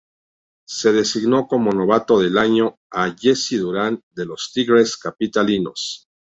Se designó como novato del año a Jesse Durán de los Tigres Capitalinos.